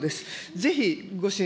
ぜひ、ご支援